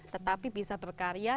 tetapi bisa berkarya